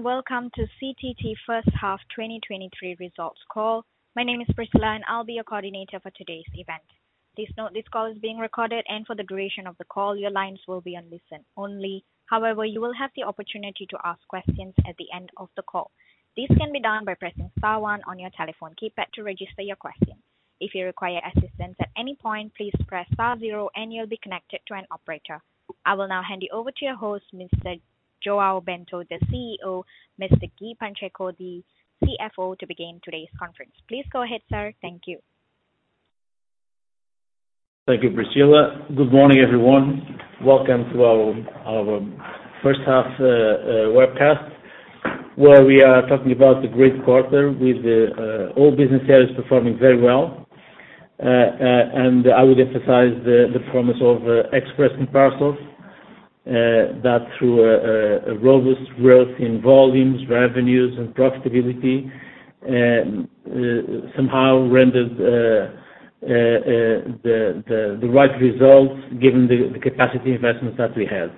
Good day, and welcome to CTT H1 2023 Results Call. My name is Priscilla, and I'll be your coordinator for today's event. Please note, this call is being recorded, and for the duration of the call, your lines will be on listen only. However, you will have the opportunity to ask questions at the end of the call. This can be done by pressing star one on your telephone keypad to register your question. If you require assistance at any point, please press star zero, and you'll be connected to an operator. I will now hand you over to your host, Mr. João Bento, the CEO, Mr. Guy Pacheco, the CFO, to begin today's conference. Please go ahead, sir. Thank you. Thank you, Priscilla. Good morning, everyone. Welcome to our, our H1 webcast, where we are talking about the great quarter with all business areas performing very well. And I would emphasize the performance of Express & Parcels that through a robust growth in volumes, revenues and profitability, somehow rendered the right results, given the capacity investments that we have.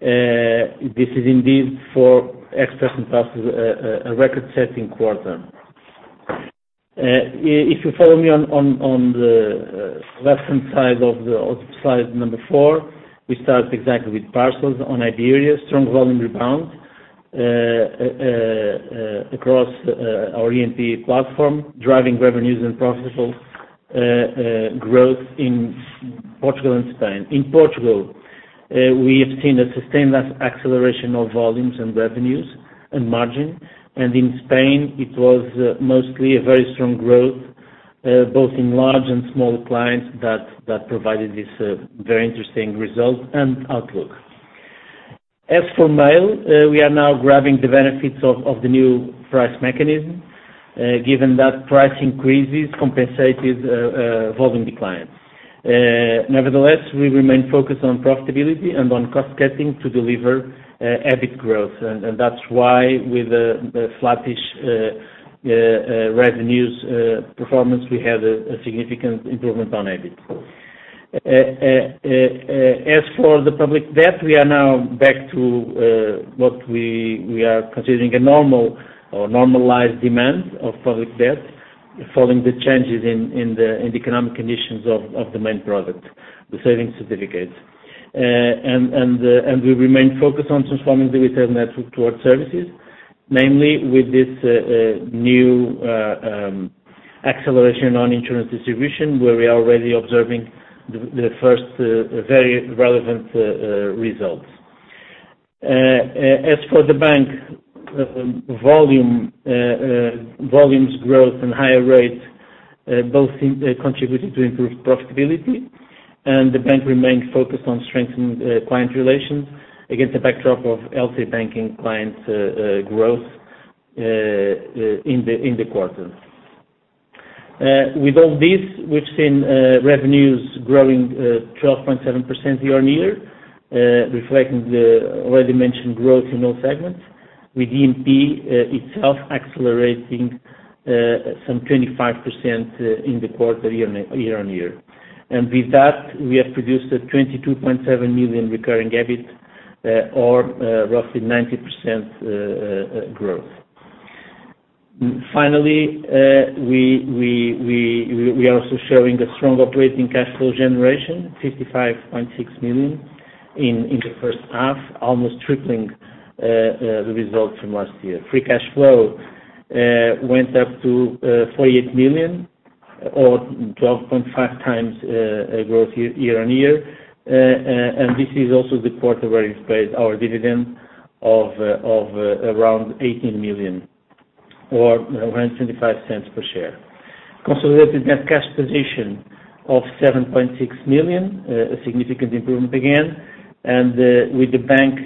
This is indeed for Express & Parcels a record-setting quarter. If you follow me on the left-hand side of slide 4, we start exactly with parcels on Iberia, strong volume rebound across our EMP platform, driving revenues and profitable growth in Portugal and Spain. In Portugal, we have seen a sustained acceleration of volumes and revenues and margin, and in Spain, it was mostly a very strong growth, both in large and small clients that, that provided this very interesting result and outlook. As for Mail, we are now grabbing the benefits of, of the new price mechanism, given that price increases compensated volume declines. Nevertheless, we remain focused on profitability and on cost cutting to deliver EBIT growth, and, and that's why with the, the flattish revenues performance, we had a, a significant improvement on EBIT. As for the public debt, we are now back to what we are considering a normal or normalized demand of public debt, following the changes in the economic conditions of the main product, the Savings Certificates. We remain focused on transforming the retail network towards services, namely with this new acceleration on insurance distribution, where we are already observing the first very relevant results. As for the bank, volumes, growth and higher rates, both seem contributing to improved profitability, and the bank remains focused on strengthening client relations against the backdrop of low-cost banking clients growth in the quarter. With all this, we've seen revenues growing 12.7% year-on-year, reflecting the already mentioned growth in all segments, with EMP itself accelerating some 25% in the quarter year on, year-on-year. With that, we have produced a 22.7 million recurring EBIT, or roughly 90% growth. Finally, we are also showing a strong operating cash flow generation, 55.6 million in the H1, almost tripling the results from last year. Free cash flow went up to 48 million, or 12.5 times growth year-on-year. This is also the quarter where we paid our dividend of around 18 million or 1.75 per share. Consolidated net cash position of 7.6 million, a significant improvement again. With the bank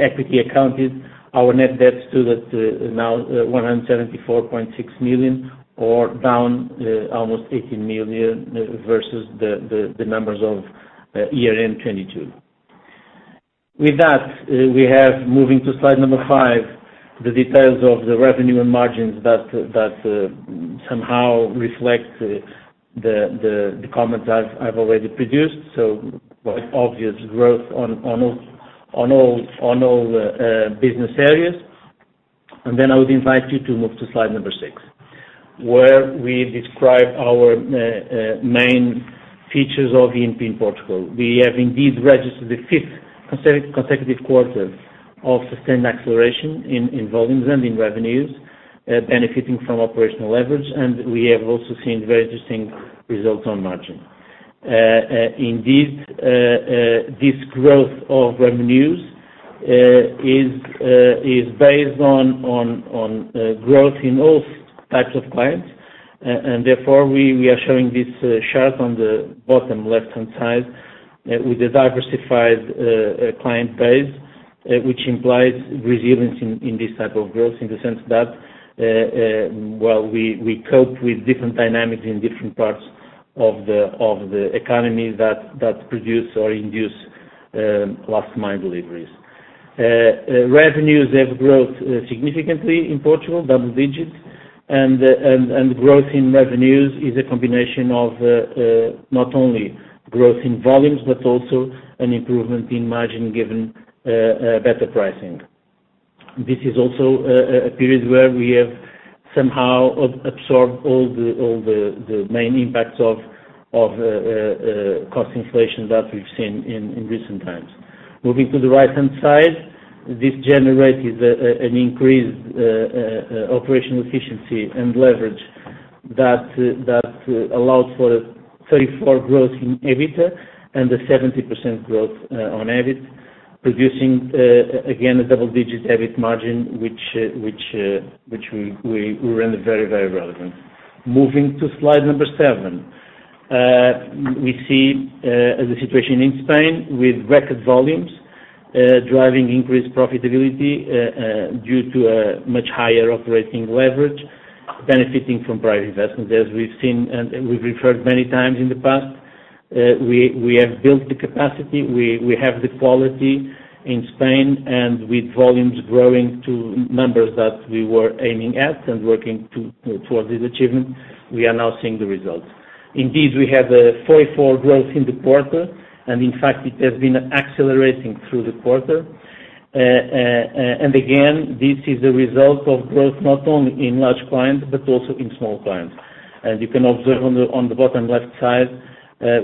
equity accounted, our net debt stood at now 174.6 million or down almost 18 million versus the numbers of year end 2022. With that, we have moving to slide 5, the details of the revenue and margins that that somehow reflect the comments I've already produced, obvious growth on all on all on all business areas. I would invite you to move to slide 6, where we describe our main features of EMP in Portugal. We have indeed registered the fifth consecutive quarter of sustained acceleration in volumes and in revenues, benefiting from operational leverage, and we have also seen very interesting results on margin. Indeed, this growth of revenues is based on growth in all types of clients, and therefore, we are showing this chart on the bottom left-hand side, with a diversified client base, which implies resilience in this type of growth, in the sense that, well, we cope with different dynamics in different parts of the economy that, that produce or induce less mind deliveries. Revenues have grown significantly in Portugal, double digits.... Growth in revenues is a combination of not only growth in volumes, but also an improvement in margin, given better pricing. This is also a period where we have somehow absorbed all the, all the, the main impacts of cost inflation that we've seen in recent times. Moving to the right-hand side, this generated an increased operational efficiency and leverage that allows for a 34 growth in EBITDA and a 70% growth on EBIT. Producing again a double-digit EBIT margin, which which we render very, very relevant. Moving to slide number 7. We see as a situation in Spain with record volumes driving increased profitability due to a much higher operating leverage, benefiting from prior investments. As we've seen and, and we've referred many times in the past, we, we have built the capacity, we, we have the quality in Spain, and with volumes growing to numbers that we were aiming at and working towards this achievement, we are now seeing the results. Indeed, we have a 44 growth in the quarter, and in fact, it has been accelerating through the quarter. Again, this is a result of growth not only in large clients, but also in small clients. You can observe on the, on the bottom left side,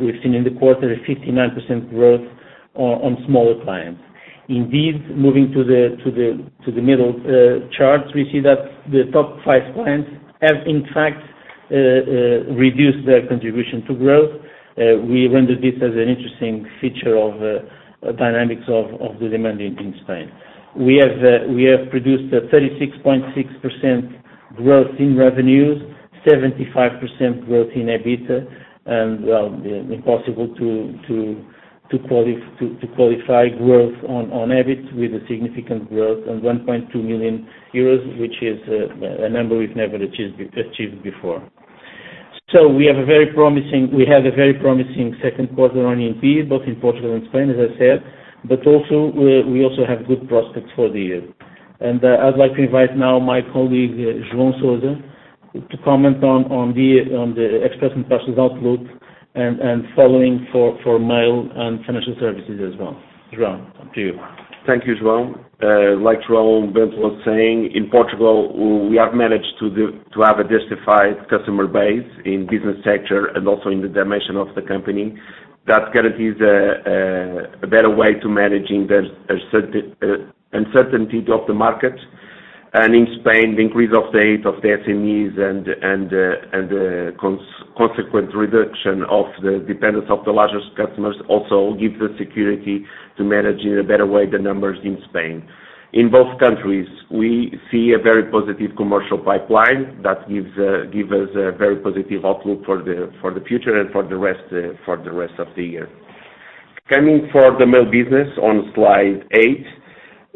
we've seen in the quarter a 59% growth on, on smaller clients. Indeed, moving to the, to the, to the middle, charts, we see that the top 5 clients have, in fact, reduced their contribution to growth. We rendered this as an interesting feature of dynamics of the demand in Spain. We have, we have produced a 36.6% growth in revenues, 75% growth in EBITDA, and, well, impossible to, to qualify growth on EBIT with a significant growth and 1.2 million euros, which is a number we've never achieved before. We have a very promising, we have a very promising Q2 on E&P, both in Portugal and Spain, as I said, but also, we, we also have good prospects for the year. I'd like to invite now my colleague, João Sousa, to comment on, on the, on the Express and Parcels outlook and, and following for, for Mail and Financial Services as well. João, up to you. Thank you, João. Like João Bento was saying, in Portugal, we have managed to have a diversified customer base in business sector and also in the dimension of the company. That guarantees a, a better way to managing the uncertainty of the market. In Spain, the increase of the age of the SMEs and, and, and consequent reduction of the dependence of the largest customers also gives the security to manage in a better way the numbers in Spain. In both countries, we see a very positive commercial pipeline that gives, give us a very positive outlook for the, for the future and for the rest, for the rest of the year. Coming for the Mail business on slide 8.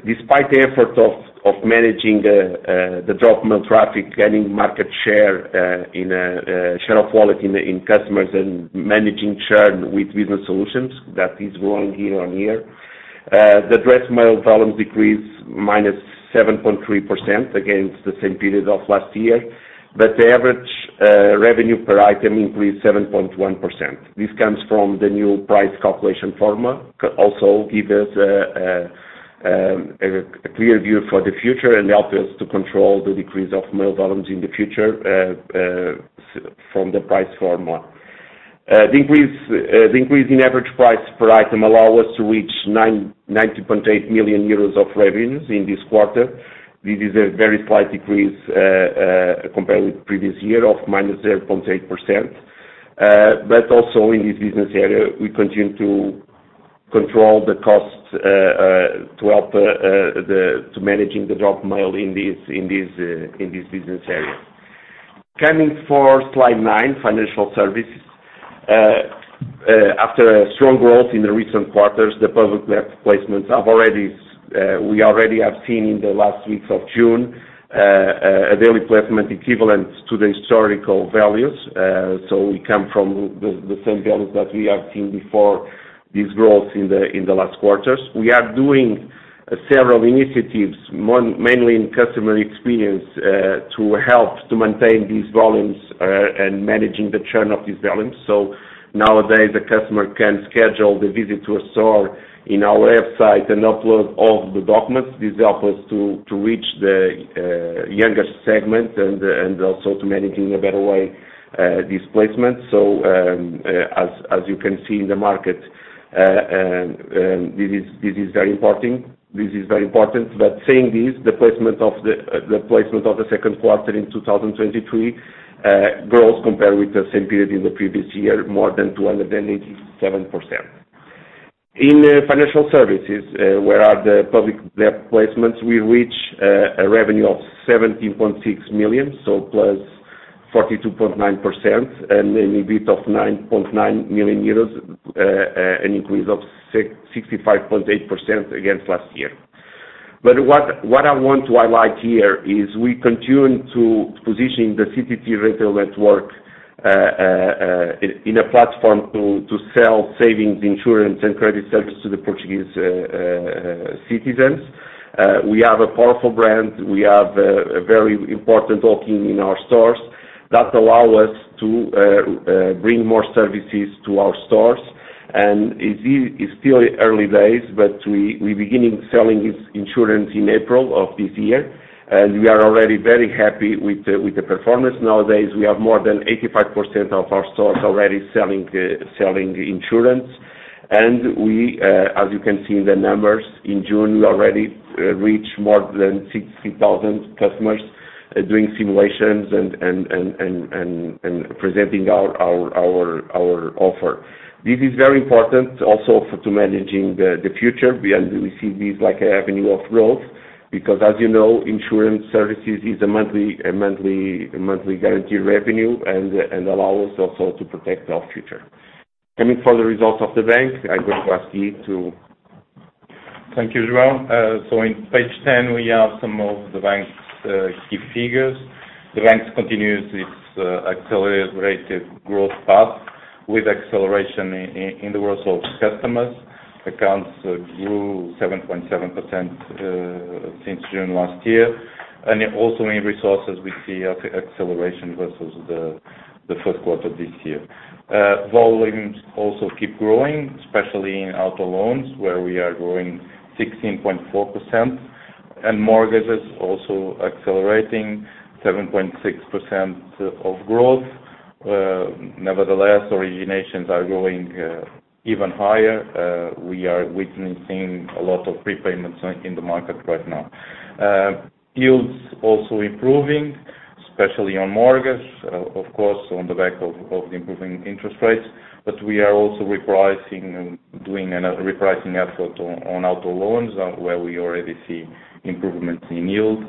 Despite the effort of, of managing the drop Mail traffic, gaining market share in share of quality in customers and managing churn with business solutions, that is growing year-on-year. The addressed mail volumes decreased -7.3% against the same period of last year, but the average revenue per item increased 7.1%. This comes from the new price calculation formula. Could also give us a clear view for the future and help us to control the decrease of mail volumes in the future from the price formula. The increase in average price per item allow us to reach 90.8 million euros of revenues in this quarter. This is a very slight decrease, compared with previous year of minus 0.8%. Also in this business area, we continue to control the costs, to help, the to managing the drop mail in this, in this, in this business area. Coming for slide 9, Financial Services. After a strong growth in the recent quarters, the public network placements have already, we already have seen in the last weeks of June, a daily placement equivalent to the historical values. We come from the, the same values that we have seen before this growth in the, in the last quarters. We are doing several initiatives, mainly in customer experience, to help to maintain these volumes, and managing the churn of these volumes. Nowadays, a customer can schedule the visit to a store in our website and upload all the documents. This help us to reach the younger segment and also to managing a better way this placement. As you can see in the market, this is very important. This is very important. Saying this, the placement of the the placement of the 2Q in 2023 grows compared with the same period in the previous year, more than 287%. In Financial Services, where are the public debt placements, we reach a revenue of 17.6 million, so +42.9%, and an EBIT of 9.9 million euros, an increase of 65.8% against last year. What, what I want to highlight here is we continue to position the CTT retail network in a platform to sell savings, insurance, and credit services to the Portuguese citizens. We have a powerful brand. We have a very important talking in our stores that allow us to bring more services to our stores. It's still early days, but we, we beginning selling this insurance in April of this year, and we are already very happy with the performance. Nowadays, we have more than 85% of our stores already selling insurance. We, as you can see in the numbers, in June, we already reached more than 60,000 customers doing simulations and presenting our, our, our offer. This is very important also for to managing the future. We, and we see this like an avenue of growth, because as you know, insurance services is a monthly guaranteed revenue and allow us also to protect our future. Coming for the results of the bank, I go to ask you. Thank you, João. In page 10, we have some of the bank's key figures. The bank continues its accelerated growth path with acceleration in the results of customers. Accounts grew 7.7% since June last year. Also in resources, we see acceleration versus the Q1 this year. Volumes also keep growing, especially in auto loans, where we are growing 16.4%, and mortgages also accelerating 7.6% of growth. Nevertheless, originations are growing even higher. We are witnessing a lot of prepayments in the market right now. Yields also improving, especially on mortgage, of course, on the back of the improving interest rates. We are also repricing and doing a repricing effort on auto loans, where we already see improvements in yield.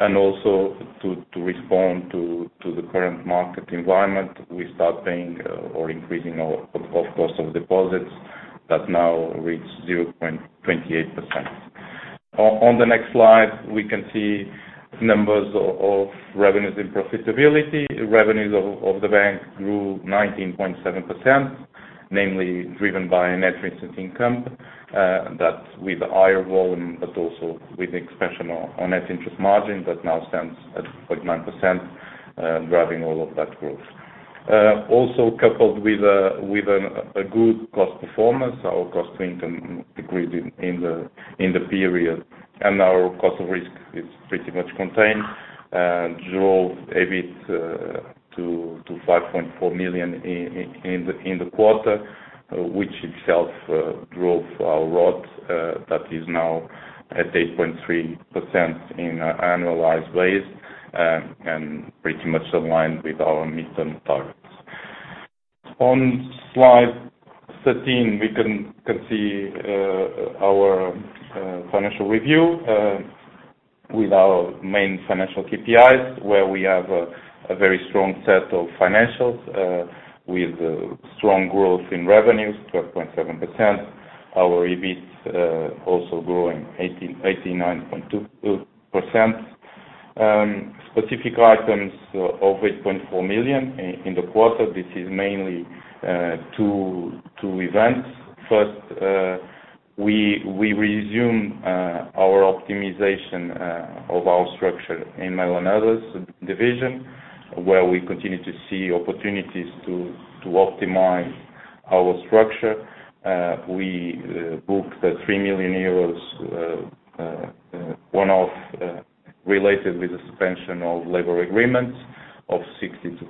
Also to, to respond to, to the current market environment, we start paying, or increasing our cost of deposits that now reach 0.28%. On the next slide, we can see numbers of revenues and profitability. Revenues of the bank grew 19.7%, namely driven by net interest income that with higher volume, but also with expansion on net interest margin that now stands at 0.9%, driving all of that growth. Also coupled with a, with a, a good cost performance, our cost income decreased in the period, and our cost of risk is pretty much contained, and drove EBIT to 5.4 million in the quarter, which itself drove our RoTE that is now at 8.3% in an annualized basis, and pretty much aligned with our midterm targets. On slide 13, we can see our financial review with our main financial KPIs, where we have a very strong set of financials, with strong growth in revenues, 12.7%. Our EBIT also growing eighteen nine point two percent. Specific items of 8.4 million in the quarter, this is mainly two events. First, we resume our optimization of our structure in Mail Boxes division, where we continue to see opportunities to optimize our structure. We booked a EUR 3 million one-off related with the suspension of labor agreements of 62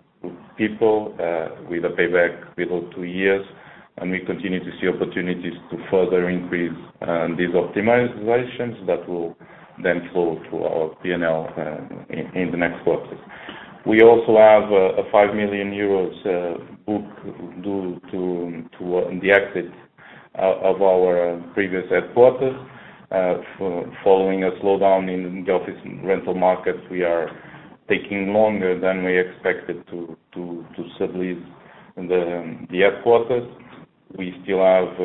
people, with a payback below 2 years. We continue to see opportunities to further increase these optimizations that will then flow through our PNL in the next quarters. We also have a 5 million euros book due to the exit of our previous headquarters. Following a slowdown in the office rental markets, we are taking longer than we expected to sublease the headquarters. We still have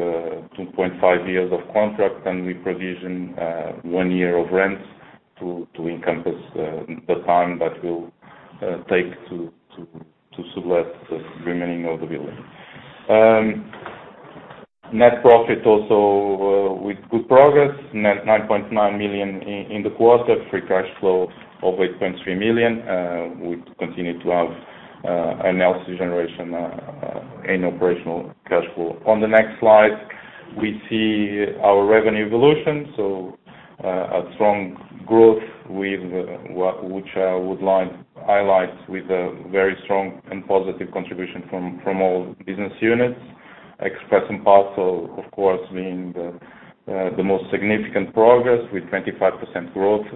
2.5 years of contract, and we provision 1 year of rents to encompass the time that will take to sublet the remaining of the building. Net profit also with good progress, net 9.9 million in the quarter, free cash flow of 8.3 million, we continue to have an healthy generation in operational cash flow. On the next slide, we see our revenue evolution, so a strong growth which would like highlight with a very strong and positive contribution from all business units. Express & Parcels, of course, being the most significant progress with 25% growth.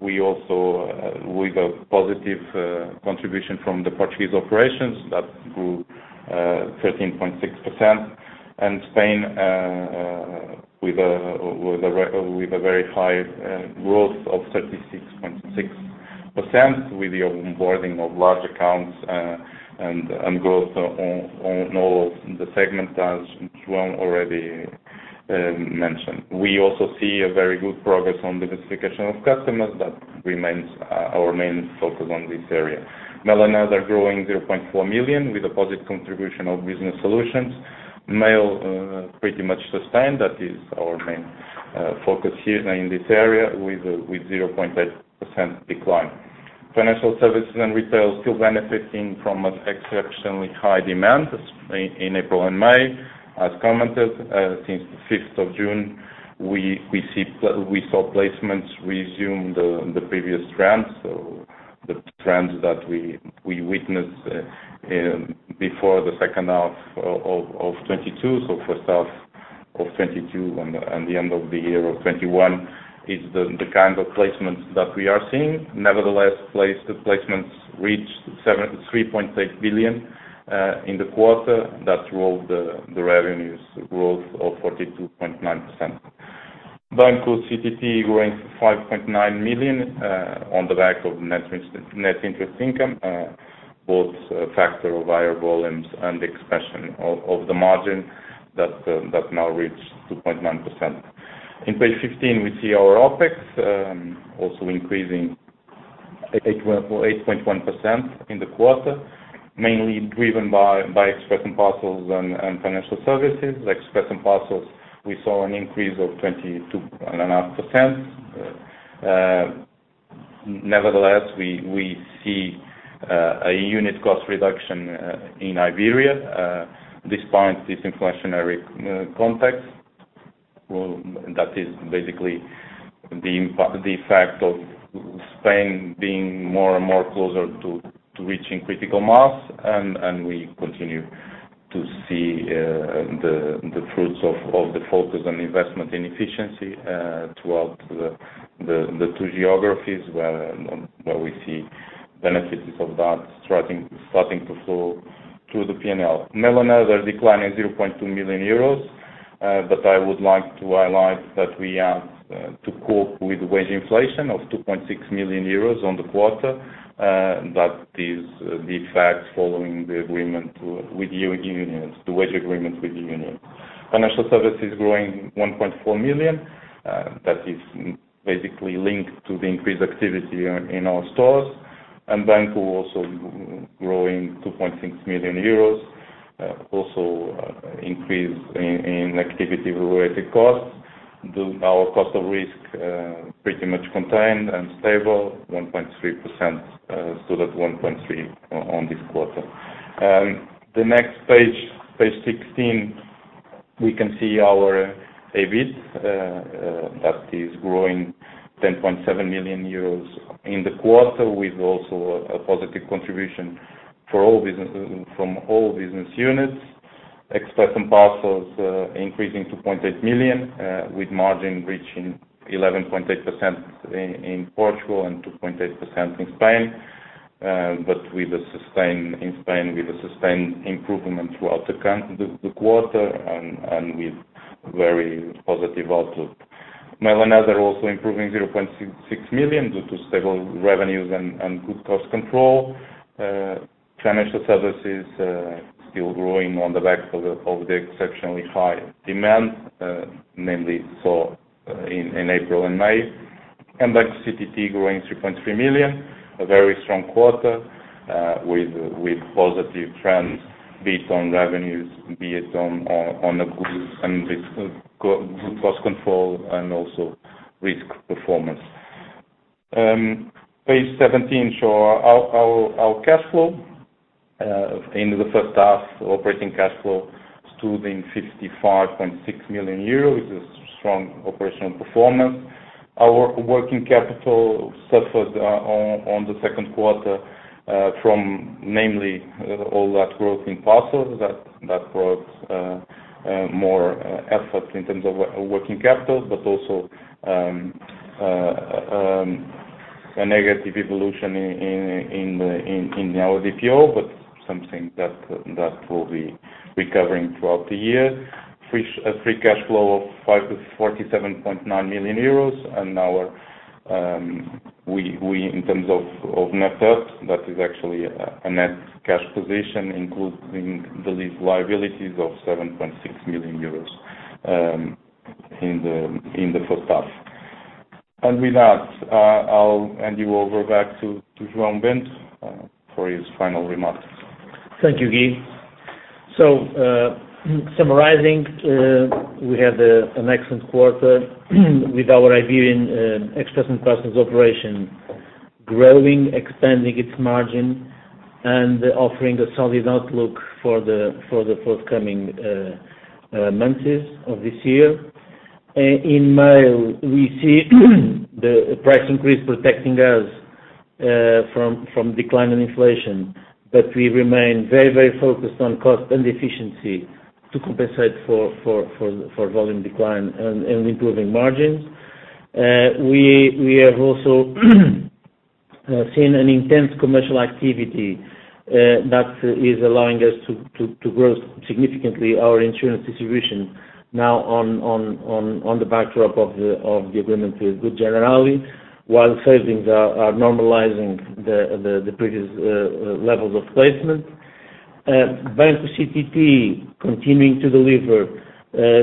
We also with a positive contribution from the Portuguese operations, that grew 13.6%. Spain, with a very high growth of 36.6% with the onboarding of large accounts, and growth on all of the segment as João already mentioned. mentioned. We also see a very good progress on the diversification of customers, that remains our main focus on this area. Mail & Other growing 0.4 million with a positive contribution of business solutions. Mail, pretty much sustained, that is our main focus here in this area with a 0.8% decline. Financial services and retail still benefiting from an exceptionally high demand in April and May. As commented, since the 5th of June, we saw placements resume the previous trends. The trends that we witnessed before the H2 of 2022. H1 of 2022 and the, and the end of the year of 2021 is the, the kind of placements that we are seeing. Nevertheless, the placements reached 3.8 billion in the quarter. That drove the, the revenues growth of 42.9%. Banco CTT growing 5.9 million on the back of net interest, net interest income, both a factor of higher volumes and expansion of, of the margin that, that now reached 2.9%. In page 15, we see our OpEx also increasing 8.1% in the quarter, mainly driven by, by Express and Parcels and, and financial services. Express and Parcels, we saw an increase of 22.5%. Nevertheless, we, we see a unit cost reduction in Iberia, despite this inflationary context. That is basically the impact, the effect of Spain being more and more closer to, to reaching critical mass, and we continue to see the fruits of the focus on investment in efficiency throughout the two geographies where we see benefits of that starting to flow through the P&L. Mail & Other declining 0.2 million euros, but I would like to highlight that we have to cope with wage inflation of 2.6 million euros on the quarter. That is the fact following the agreement with union, the wage agreement with the union. Financial services growing 1.4 million, that is basically linked to the increased activity in our stores. Banco also growing 2.6 million euros, also increase in activity-related costs. Our cost of risk pretty much contained and stable, 1.3%, so that's 1.3 on this quarter. The next page, page 16, we can see our EBIT that is growing 10.7 million euros in the quarter, with also a positive contribution from all business units. Express & Parcels increasing 2.8 million, with margin reaching 11.8% in Portugal and 2.8% in Spain. With a sustained in Spain, with a sustained improvement throughout the quarter and with very positive outlook. Mail & Other also improving 0.66 million due to stable revenues and good cost control. Financial services, still growing on the back of the, of the exceptionally high demand, mainly saw, in April and May. Banco CTT growing 3.3 million, a very strong quarter, with, with positive trends, be it on revenues, be it on, on, on a good and risk, good cost control and also risk performance. Page 17, our, our, our cash flow, in the H1, operating cash flow stood in 65.6 million euros, which is strong operational performance. Our working capital suffered on, on the Q2 from mainly all that growth in parcels, that, that brought more efforts in terms of working capital, but also a negative evolution in our DPO, but something that will be recovering throughout the year. A free cash flow of 5 to 47.9 million euros, and our we, we, in terms of, of net debt, that is actually a net cash position, including the lease liabilities of 7.6 million euros in the H1. With that, I'll hand you over back to João Bento for his final remarks. Thank you, Guy. Summarizing, we had an excellent quarter with our Iberian Express & Parcels operation growing, expanding its margin, and offering a solid outlook for the forthcoming months of this year. In Mail, we see the price increase protecting us from decline in inflation, but we remain very, very focused on cost and efficiency to compensate for volume decline and improving margins. We have also seen an intense commercial activity that is allowing us to grow significantly our insurance distribution now on the backdrop of the agreement with Generali, while savings are normalizing the previous levels of placement. Banco CTT continuing to deliver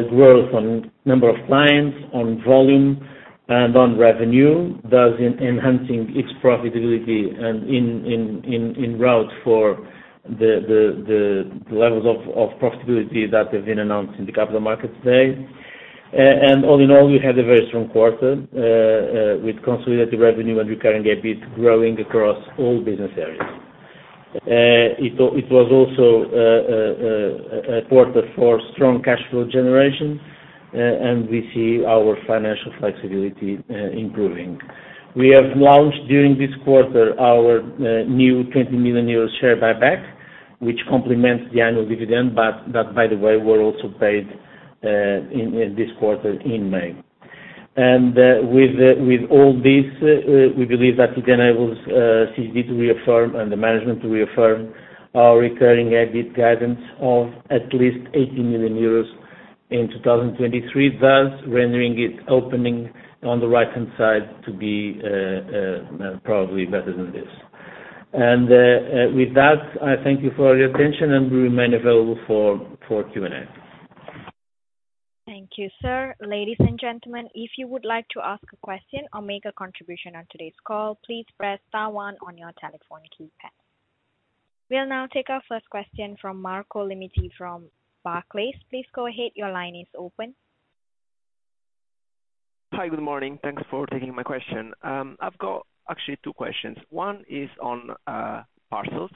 growth on number of clients, on volume, and on revenue, thus enhancing its profitability and in route for the levels of profitability that have been announced in the capital markets today. All in all, we had a very strong quarter with consolidated revenue and recurring EBIT growing across all business areas. It was also a quarter for strong cash flow generation, and we see our financial flexibility improving. We have launched during this quarter our new 20 million euros share buyback, which complements the annual dividend, but that, by the way, were also paid in this quarter in May. With, with all this, we believe that it enables CTT to reaffirm and the management to reaffirm our recurring EBIT guidance of at least 80 million euros in 2023, thus rendering it opening on the right-hand side to be, probably better than this. With that, I thank you for your attention, and we remain available for, for Q&A. Thank you, sir. Ladies and gentlemen, if you would like to ask a question or make a contribution on today's call, please press star one on your telephone keypad. We'll now take our first question from Marco Limite from Barclays. Please go ahead. Your line is open. Hi, good morning. Thanks for taking my question. I've got actually 2 questions. One is on parcels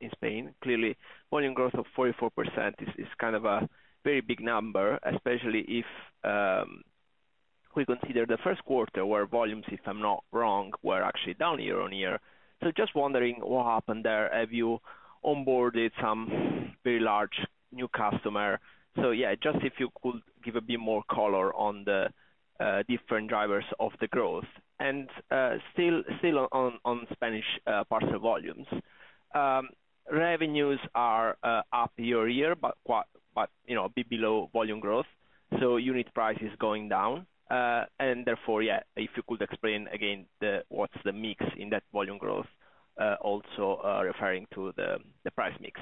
in Spain. Clearly, volume growth of 44% is, is kind of a very big number, especially if we consider the Q1, where volumes, if I'm not wrong, were actually down year-on-year. Just wondering what happened there. Have you onboarded some very large new customer? Yeah, just if you could give a bit more color on the different drivers of the growth. Still, still on on Spanish parcel volumes. Revenues are up year-on-year, but, you know, a bit below volume growth, so unit price is going down. Therefore, yeah, if you could explain again, the, what's the mix in that volume growth, also referring to the, the price mix.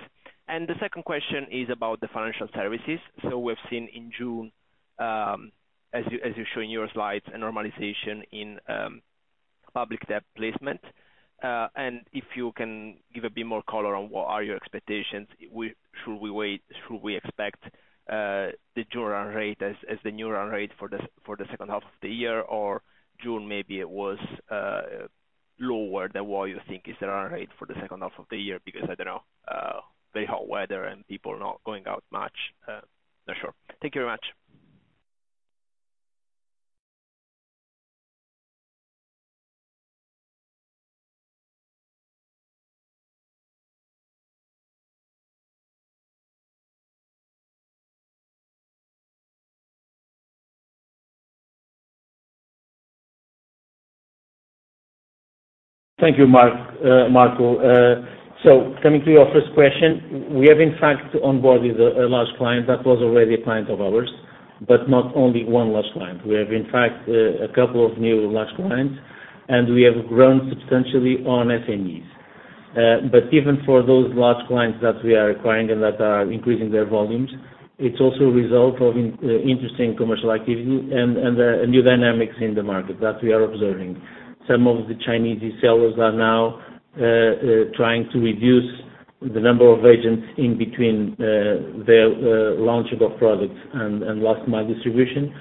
The second question is about the financial services. We've seen in June, as you, as you show in your slides, a normalization in public debt placement. If you can give a bit more color on what are your expectations, should we expect the June run rate as, as the new run rate for the H2 of the year? June, maybe it was lower than what you think is the run rate for the H2 of the year, because I don't know, very hot weather and people not going out much. Not sure. Thank you very much. Thank you, Mark, Marco. Coming to your first question, we have in fact onboarded a large client that was already a client of ours, but not only one large client. We have, in fact, a couple of new large clients, and we have grown substantially on SMEs. Even for those large clients that we are acquiring and that are increasing their volumes, it's also a result of interesting commercial activity and new dynamics in the market that we are observing. Some of the Chinese sellers are now trying to reduce the number of agents in between their launch of products and last mile distribution.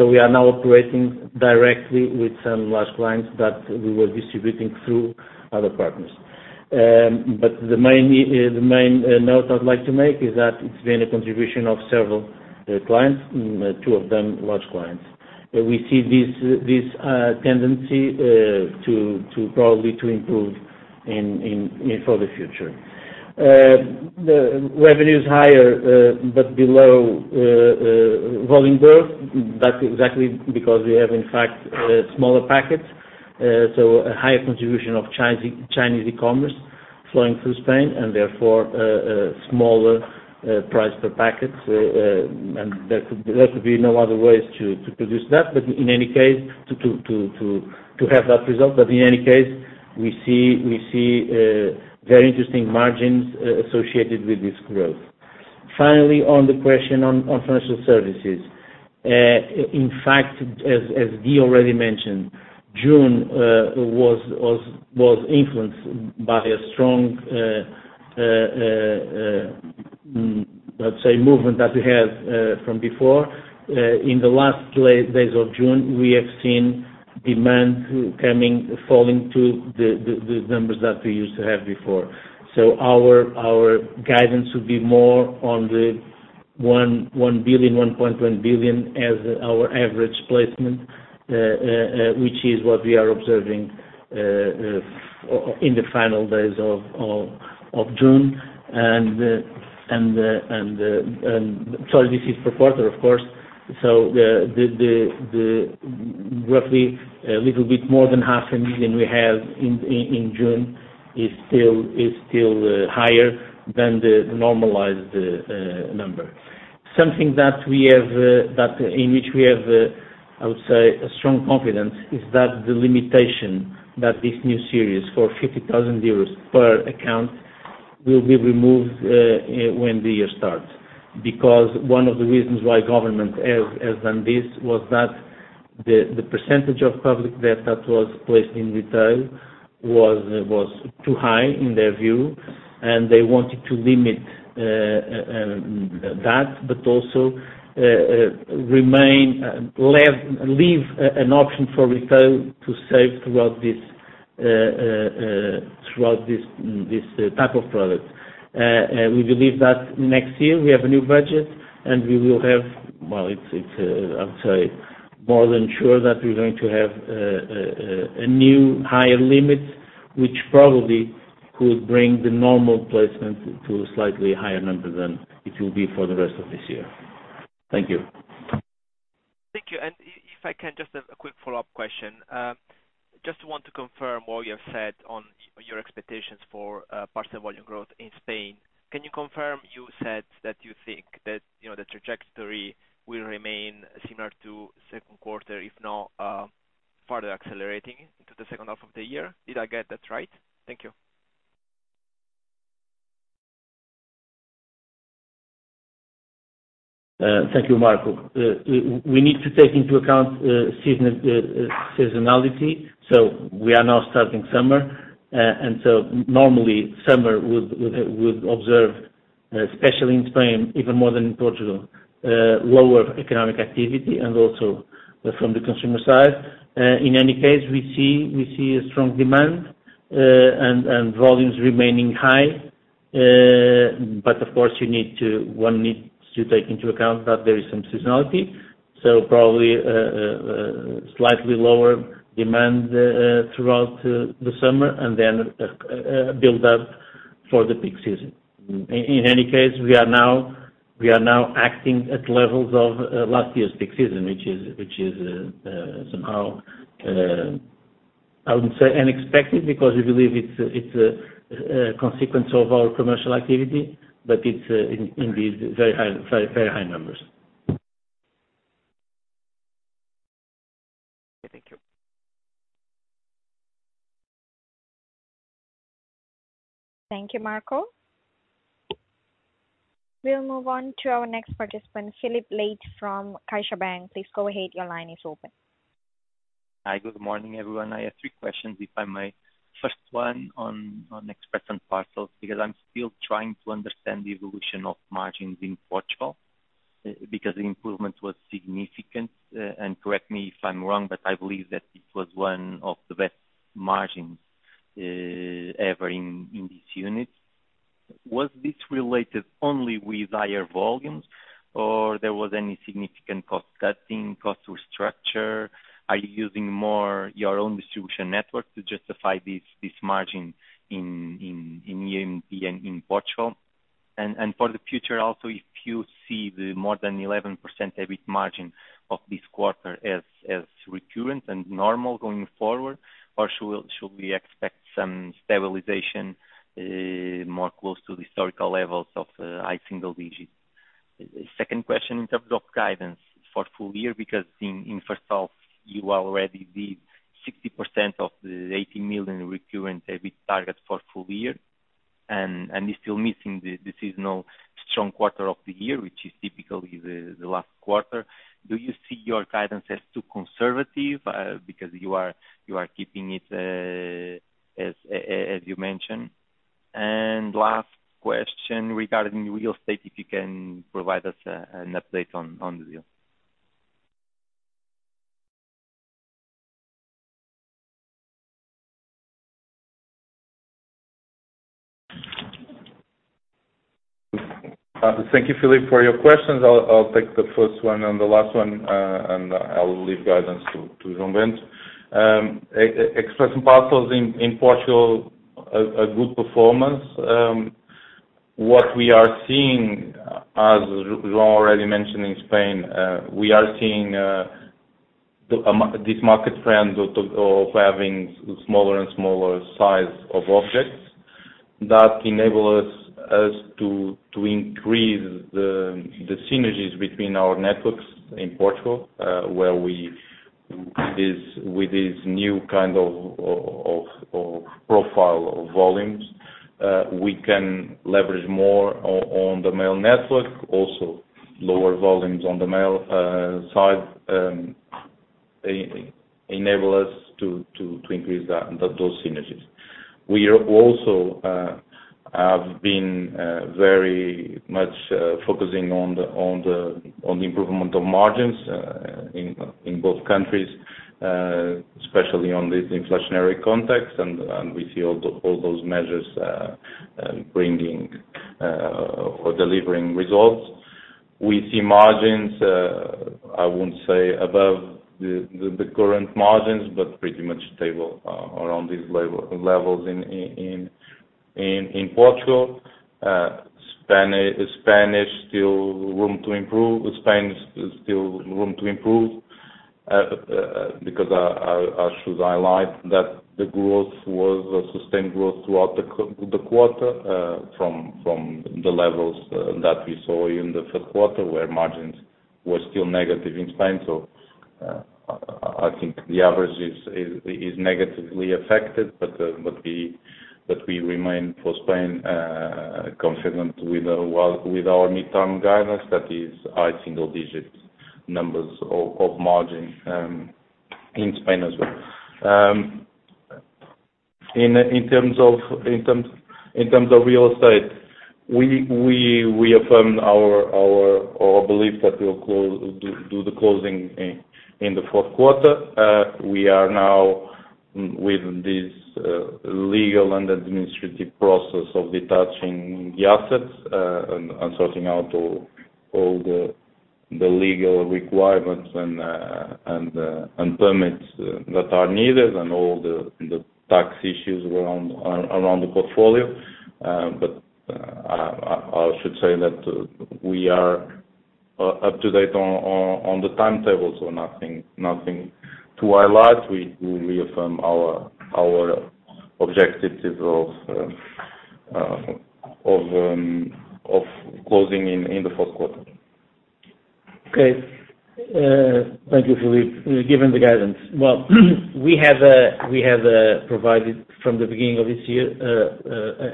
We are now operating directly with some large clients that we were distributing through other partners. The main, the main note I'd like to make is that it's been a contribution of several clients, two of them large clients. We see this, this tendency to probably to improve in, for the future. The revenue is higher, but below volume growth. That's exactly because we have, in fact, smaller packets, so a higher contribution of Chinese, Chinese e-commerce flowing through Spain and therefore, smaller price per packet. There could, there could be no other ways to produce that, but in any case, to have that result. In any case, we see, we see very interesting margins associated with this growth. Finally, on the question on financial services. In fact, as Guy already mentioned, June was influenced by a strong, let's say, movement that we had from before. In the last days of June, we have seen demand coming, falling to the numbers that we used to have before. Our guidance would be more on the 1 billion-1.1 billion as our average placement, which is what we are observing in the final days of June. Sorry, this is per quarter, of course. The roughly a little bit more than 500,000 we have in June is still higher than the normalized number. something that we have, that in which we have, I would say, a strong confidence is that the limitation that this new series for 50,000 euros per account will be removed, when the year starts. One of the reasons why government has, has done this was that the, the percentage of public debt that was placed in retail was, was too high in their view, and they wanted to limit that, but also, remain, leave, leave an option for retail to save throughout this, throughout this, this type of product. We believe that next year we have a new budget, and we will have, well, it's, it's, I would say, more than sure that we're going to have a new higher limits, which probably could bring the normal placement to a slightly higher number than it will be for the rest of this year. Thank you. Thank you. I-if I can just have a quick follow-up question. Just want to confirm what you have said on your expectations for parcel volume growth in Spain. Can you confirm, you said that you think that, you know, the trajectory will remain similar to Q2, if not further accelerating into the H2 of the year? Did I get that right? Thank you. Thank you, Marco. We, we need to take into account season, seasonality. We are now starting summer, and so normally, summer would, would, would observe, especially in Spain, even more than in Portugal, lower economic activity and also from the consumer side. In any case, we see, we see a strong demand, and volumes remaining high. Of course, one needs to take into account that there is some seasonality, so probably, slightly lower demand throughout the summer and then build up for the peak season. In any case, we are now acting at levels of last year's peak season, which is somehow I wouldn't say unexpected, because we believe it's a consequence of our commercial activity, but it's in these very high, very, very high numbers. Thank you. Thank you, Marco. We'll move on to our next participant, Filipe Leite from CaixaBank. Please go ahead. Your line is open. Hi, good morning, everyone. I have three questions, if I may. First one on, on Express and Parcels, because I'm still trying to understand the evolution of margins in Portugal, because the improvement was significant. Correct me if I'm wrong, but I believe that it was one of the best margins ever in, in this unit. Was this related only with higher volumes, or there was any significant cost cutting, cost structure? Are you using more your own distribution network to justify this, this margin in, in, in, in Portugal? For the future also, if you see the more than 11% EBIT margin of this quarter as, as recurrent and normal going forward, or should we, should we expect some stabilization more close to the historical levels of high single digits? Second question in terms of guidance for full year, because in H1, you already did 60% of the 80 million recurrent EBIT target for full year, and you're still missing the seasonal strong quarter of the year, which is typically the last quarter. Do you see your guidance as too conservative, because you are keeping it as you mentioned? Last question regarding real estate, if you can provide us an update on the deal. Thank you, Filipe, for your questions. I'll take the first one and the last one, and I'll leave guidance to João Bento. E-express and parcels in Portugal, a good performance. What we are seeing, as João already mentioned in Spain, we are seeing this market trend of having smaller and smaller size of objects. That enable us to increase the synergies between our networks in Portugal, where we, with this new kind of profile of volumes, we can leverage more on the Mail network, also lower volumes on the Mail side, enable us to increase that, those synergies. We are also have been very much focusing on the, on the, on the improvement of margins in both countries, especially on this inflationary context, we see all the, all those measures bringing or delivering results. We see margins, I wouldn't say above the, the, the current margins, but pretty much stable around these levels in Portugal. Spain is still room to improve because I, I, I should highlight that the growth was a sustained growth throughout the quarter, from the levels that we saw in the Q3 where margins were still negative in Spain. I, I think the average is, is, is negatively affected, but we, but we remain for Spain confident with, well, with our midterm guidance, that is high single-digit numbers of margin in Spain as well. In terms of real estate, we, we, we affirm our, our, our belief that we'll do the closing in the Q4. We are now with this legal and administrative process of detaching the assets, and sorting out all, all the legal requirements and, and permits that are needed, and all the tax issues around, around the portfolio. I, I should say that we are up to date on, on, on the timetable, so nothing, nothing to highlight. We, we reaffirm our, our objectives is of, of, of closing in, in the Q4. Okay. Thank you, Filipe. Given the guidance, well, we have, we have provided from the beginning of this year,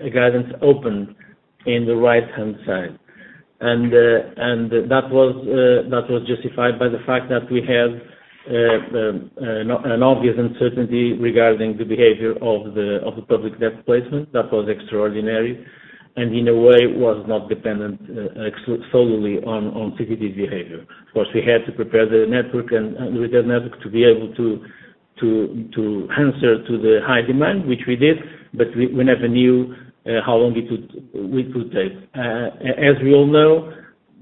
a guidance open in the right-hand side. That was justified by the fact that we had the, an, an obvious uncertainty regarding the behavior of the public debt placement that was extraordinary, and in a way was not dependent ex- solely on ECB behavior. Of course, we had to prepare the network and the network to be able to answer to the high demand, which we did, but we never knew how long it would, it would take. A- as we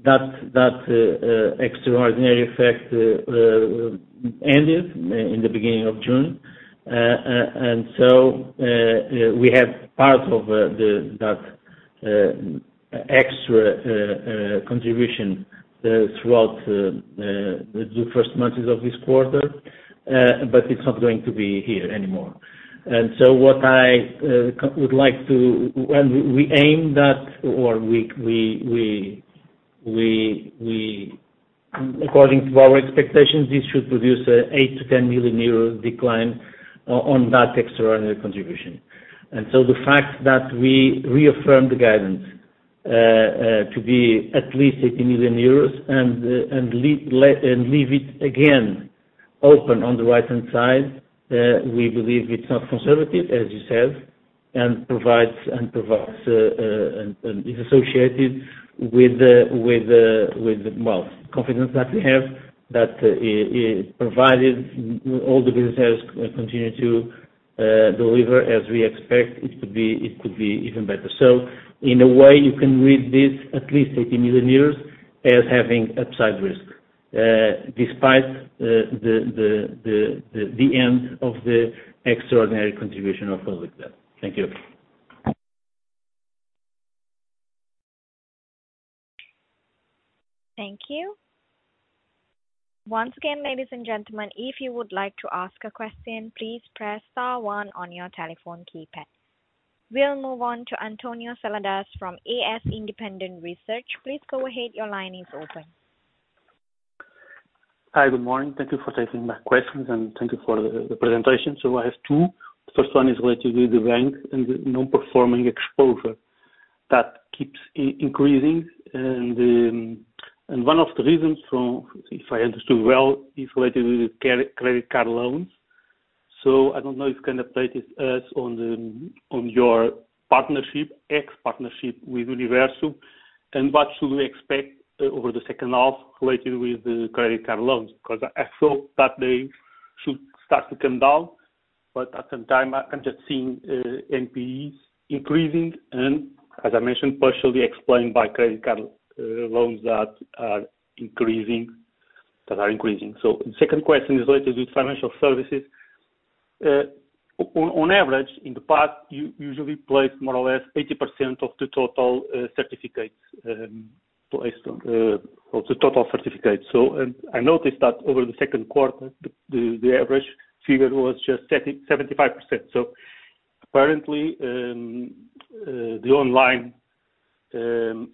all know, that, that extraordinary effect ended in the beginning of June. We have part of the, that, extra, contribution, throughout the first months of this quarter, but it's not going to be here anymore. What I would like to-- when we aim that or we, we, we, we, we, according to our expectations, this should produce a 8 million-10 million euro decline on that extraordinary contribution. So the fact that we reaffirmed the guidance to be at least 80 million euros and, and and leave it again, open on the right-hand side, we believe it's not conservative, as you said, and provides, and provides, and, and is associated with the, with the, with, well, confidence that we have, that it provided all the businesses continue to, deliver as we expect it could be, it could be even better. So in a way, you can read this at least 80 million as having upside risk, despite the, the, the, the, the end of the extraordinary contribution of public debt. Thank you. Thank you. Once again, ladies and gentlemen, if you would like to ask a question, please press star one on your telephone keypad. We'll move on to António Seladas from AS Independent Research. Please go ahead, your line is open. Hi, good morning. Thank you for taking my questions, and thank you for the, the presentation. I have two. First one is related with the bank and the non-performing exposure that keeps increasing. One of the reasons from, if I understood well, is related with the credit card loans. I don't know if you can update us on the, on your partnership with Universo, and what should we expect over the H2 related with the credit card loans? Because I thought that they should start to come down, but at the time, I'm just seeing NPEs increasing, and as I mentioned, partially explained by credit card loans that are increasing, that are increasing. The second question is related to financial services. On, on average, in the past, you usually place more or less 80% of the total, certificates, placed, of the total certificates. I noticed that over the Q2, the, the, the average figure was just 70%, 75%. Apparently, the online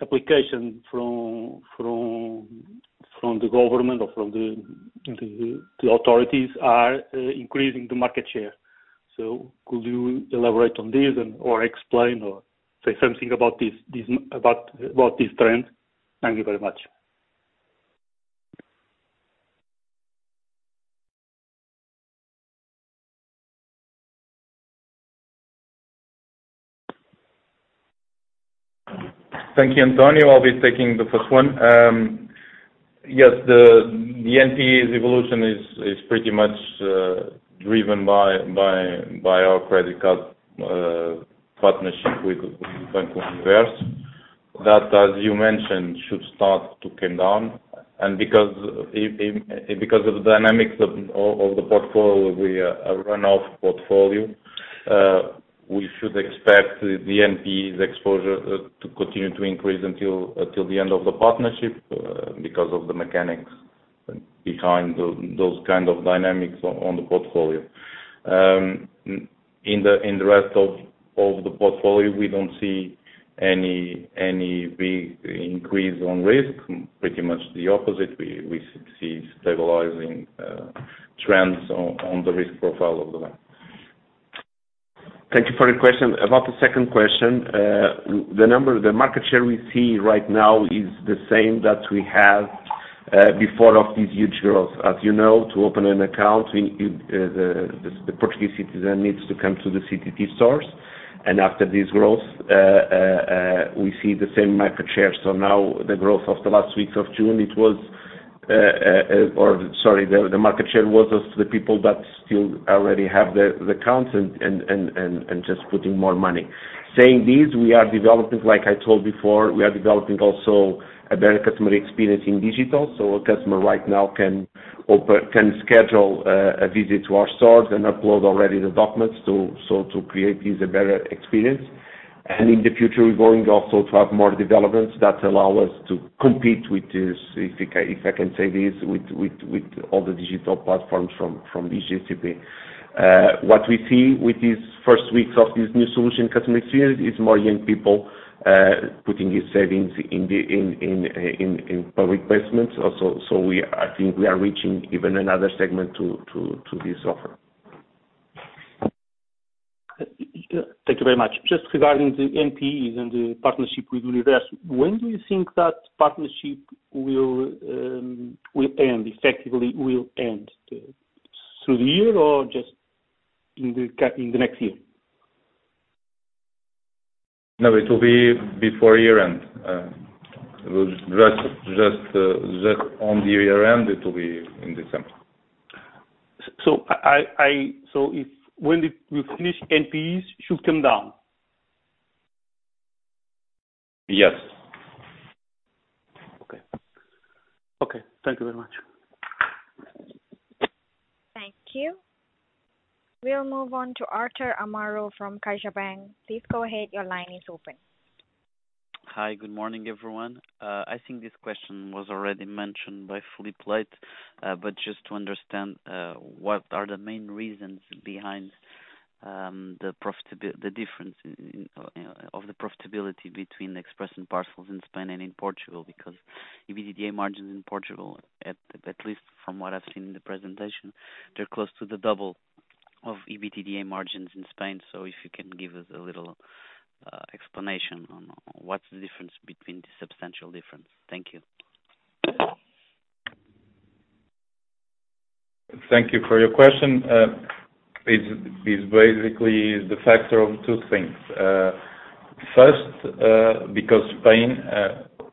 application from, from, from the government or from the, the, the authorities are increasing the market share. Could you elaborate on this and, or explain, or say something about this, this, about, about this trend? Thank you very much. Thank you, António. I'll be taking the first one. Yes, the NPE's evolution is pretty much driven by our credit card partnership with Banco Universo. That, as you mentioned, should start to come down. Because of the dynamics of the portfolio, we should expect the NPEs exposure to continue to increase until the end of the partnership because of the mechanics behind those kind of dynamics on the portfolio. In the rest of the portfolio, we don't see any big increase on risk, pretty much the opposite. We see stabilizing trends on the risk profile of the bank. Thank you for your question. About the second question, the number, the market share we see right now is the same that we had before of this huge growth. As you know, to open an account, we, the, the Portuguese citizen needs to come to the CTT stores, and after this growth, we see the same market share. Now the growth of the last weeks of June, it was, or sorry, the, the market share was as to the people that still already have the, the accounts and, and, and, and, and just putting more money. Saying this, we are developing, like I told before, we are developing also a better customer experience in digital. A customer right now can schedule a visit to our stores and upload already the documents to, so to create this, a better experience. In the future, we're going also to have more developments that allow us to compete with this, if I, if I can say this, with, with, with all the digital platforms from, from IGCP. What we see with these first weeks of this new solution customer experience is more young people, putting their savings in the, in, in, in public placements. Also, I think we are reaching even another segment to, to, to this offer. Thank you very much. Just regarding the NPEs and the partnership with Universo, when do you think that partnership will will end, effectively will end, through the year or just in the in the next year? No, it will be before year-end. Just on the year-end, it will be in December. So if when you finish NPEs, should come down? Yes. Okay. Okay, thank you very much. Thank you. We'll move on to Artur Amaro from CaixaBank. Please go ahead, your line is open. Hi, good morning, everyone. I think this question was already mentioned by Filipe Leite, but just to understand, what are the main reasons behind the difference of the profitability between Express and Parcels in Spain and in Portugal? Because EBITDA margins in Portugal, at least from what I've seen in the presentation, they're close to the double of EBITDA margins in Spain. If you can give us a little explanation on what's the difference between the substantial difference. Thank you. Thank you for your question. It's, it's basically the factor of two things. First, because Spain,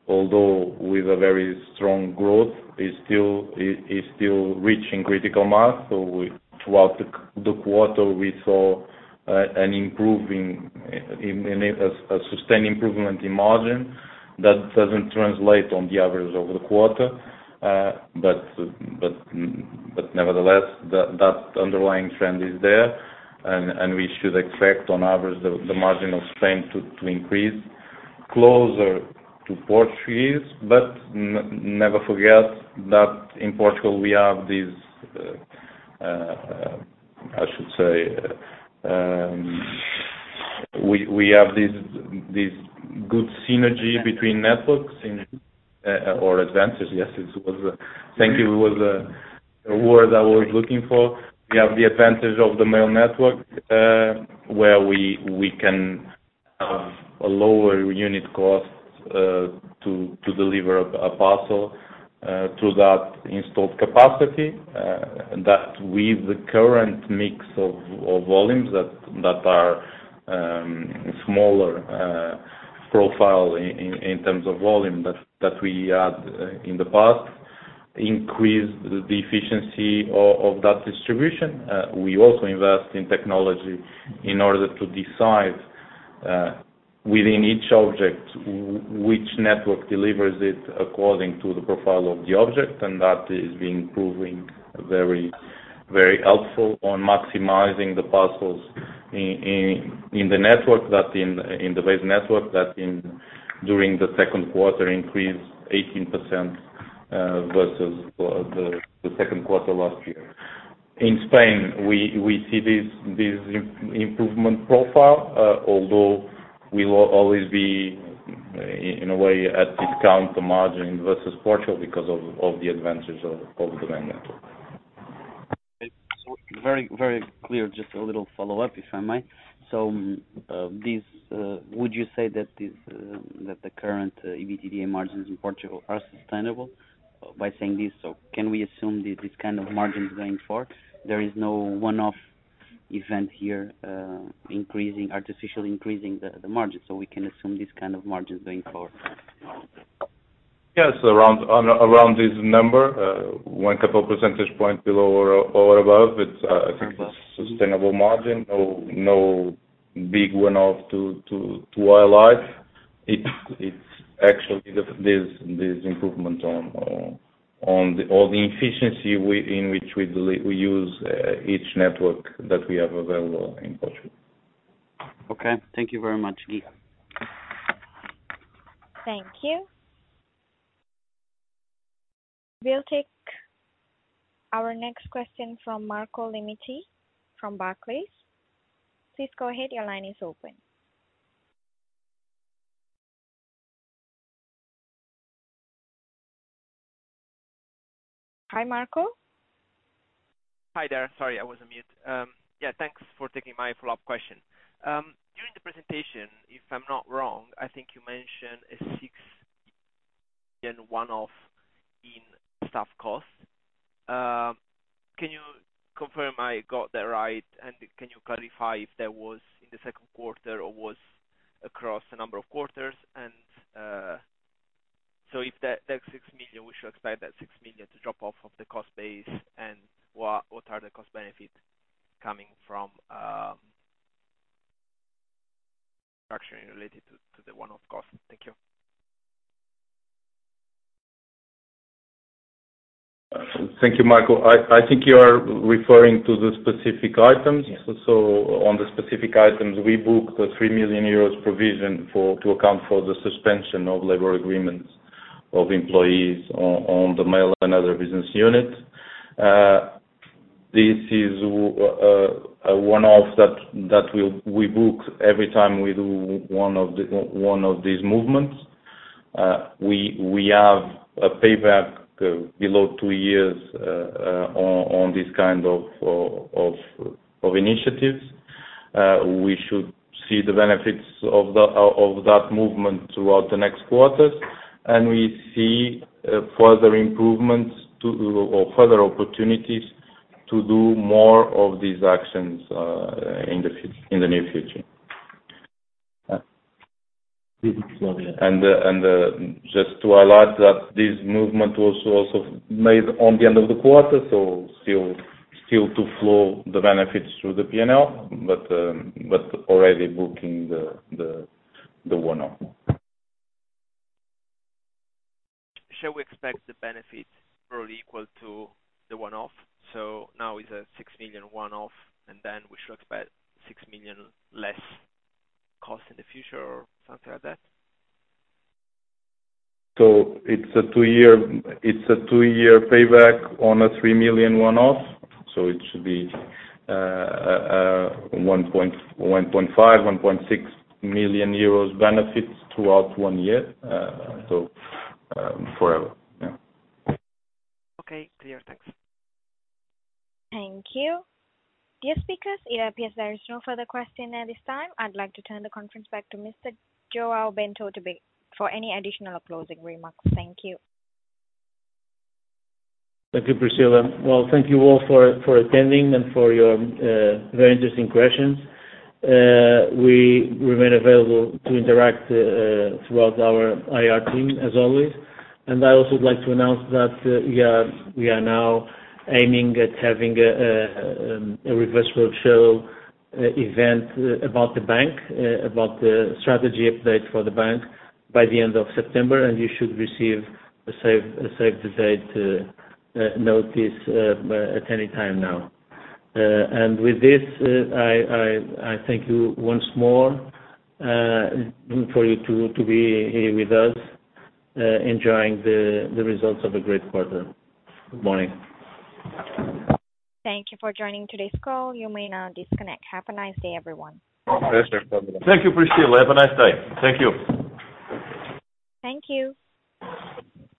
although with a very strong growth, is still, is, is still reaching critical mass. We, throughout the quarter, we saw an improving, a sustained improvement in margin. That doesn't translate on the average over the quarter. Nevertheless, that, that underlying trend is there, and, and we should expect on average, the, the margin of Spain to, to increase closer to Portuguese. Never forget that in Portugal, we have this, I should say, we, we have this, this good synergy between networks and, or advantages. Yes, it was, thank you, it was, a word I was looking for. We have the advantage of the mail network, where we, we can, lower unit costs, to, to deliver a, a parcel, through that installed capacity. That with the current mix of, of volumes that, that are, smaller, profile in, in terms of volume, that, that we had, in the past, increase the efficiency of that distribution. We also invest in technology in order to decide, within each object, which network delivers it according to the profile of the object, and that is improving very, very helpful on maximizing the parcels in, in the network, that in, in the base network, that in, during the Q2, increased 18%, versus, the, the Q2 last year. In Spain, we, we see this, this improvement profile, although we will always be in a way, at discount the margin versus Portugal because of, of the advantages of, of the network. Very, very clear. Just a little follow-up, if I may. This would you say that this that the current EBITDA margins in Portugal are sustainable? By saying this, can we assume that this kind of margin is going forward? There is no one-off event here, increasing, artificially increasing the, the margin, we can assume this kind of margin is going forward. Yes, around, around this number, 1 couple percentage point below or, or above, it's. Plus sustainable margin. No, no big one-off to, to, to our life. It's actually the, there's improvement on the efficiency we, in which we use, each network that we have available in Portugal. Okay, thank you very much, Guy. Thank you. We'll take our next question from Marco Limite from Barclays. Please go ahead. Your line is open. Hi, Marco? Hi there. Sorry, I was on mute. Yeah, thanks for taking my follow-up question. During the presentation, if I'm not wrong, I think you mentioned a EUR 6 in one-off in staff costs. Can you confirm I got that right, and can you clarify if that was in the Q2 or was across a number of quarters? If that, that 6 million, we should expect that 6 million to drop off of the cost base, and what, what are the cost benefits coming from, actually related to, to the one-off cost? Thank you. Thank you, Marco. I, I think you are referring to the specific items. Yes. On the specific items, we booked a 3 million euros provision for, to account for the suspension of labor agreements of employees on the Mail & Other business units. This is a one-off that we'll book every time we do one of these movements. We have a payback below two years on this kind of initiatives. We should see the benefits of that movement throughout the next quarters, and we see further improvements to, or further opportunities to do more of these actions in the near future. Just to highlight that this movement was also made on the end of the quarter, so still, still to flow the benefits through the P&L, but already booking the, the, the one-off. Shall we expect the benefit roughly equal to the one-off? Now it's a 6 million one-off, and then we should expect 6 million less cost in the future or something like that? It's a 2-year, it's a 2-year payback on a 3 million one-off, so it should be 1.5 million-1.6 million euros benefits throughout 1 year. Forever, yeah. Okay, clear. Thanks. Thank you. Dear speakers, it appears there is no further question at this time. I'd like to turn the conference back to Mr. João Bento to be, for any additional closing remarks. Thank you. Thank you, Priscilla. Well, thank you all for, for attending and for your very interesting questions. We remain available to interact throughout our IR team, as always. I also would like to announce that we are, we are now aiming at having a, a, a reverse roadshow event about the bank, about the strategy update for the bank by the end of September, and you should receive a save, a save the date notice at any time now. With this, I, I, I thank you once more for you to, to be here with us enjoying the, the results of a great quarter. Good morning. Thank you for joining today's call. You may now disconnect. Have a nice day, everyone. Thank you, Priscilla. Have a nice day. Thank you. Thank you.